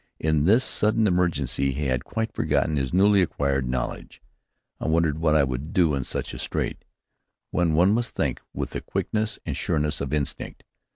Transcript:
In this sudden emergency he had quite forgotten his newly acquired knowledge. I wondered what I would do in such a strait, when one must think with the quickness and sureness of instinct.